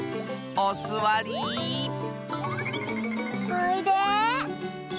おいで。